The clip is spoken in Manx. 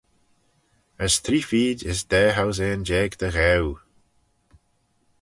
As three-feed as daa housane jeig dy ghew.